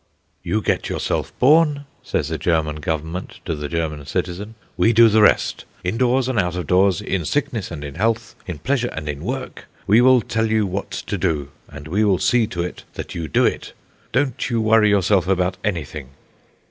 "You get yourself born," says the German Government to the German citizen, "we do the rest. Indoors and out of doors, in sickness and in health, in pleasure and in work, we will tell you what to do, and we will see to it that you do it. Don't you worry yourself about anything."